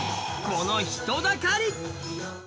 この人だかり！